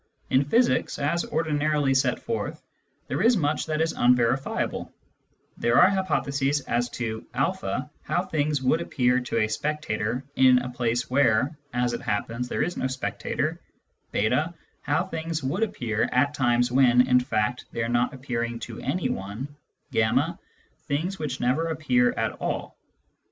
In physics, as ordinarily set forth, there is much that is unverifiable : there are hypotheses as to (a) how things would appear to a spectator in a place where, as it happens, there is no spectator ; (/8) how things would appear at times when, in fact, they are not appearing to anyone ; (7) things which never appear at all.